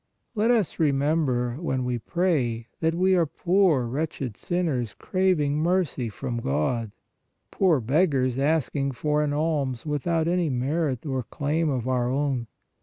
Let us remember, when we pray, that we are poor, wretched sinners craving mercy from God, poor beggars asking for an alms without any merit or claim of our own.